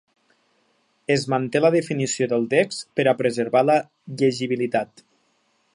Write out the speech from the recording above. Es manté la definició del text per a preservar la llegibilitat.